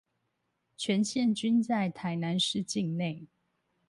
全線均在台南市境內